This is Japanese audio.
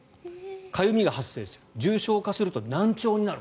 かゆみが発生する重症化すると難聴になる。